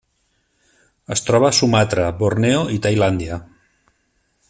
Es troba a Sumatra, Borneo i Tailàndia.